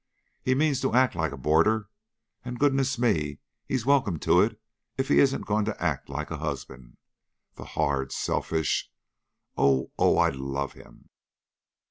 He means to act like a boarder, and, goodness me, he's welcome to if he isn't going to act like a husband! The hard, selfish Oh, oh, I love him!"